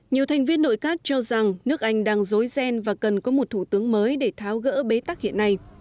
nhiều thành viên nội các cho rằng nước anh đang dối ghen và cần có một thủ tướng mới để tháo gỡ bế tắc hiện nay